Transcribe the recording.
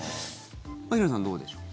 牧野さん、どうでしょう。